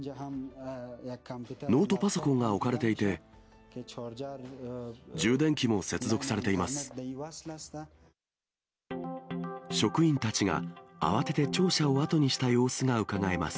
ノートパソコンが置かれていて、充電器も接続されています。